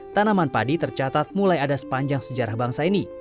tanaman padi tercatat mulai ada sepanjang sejarah bangsa ini